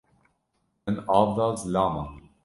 Min av da zilaman.